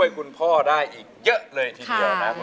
จุดนี้คุณลูกหลัวที่นะครับ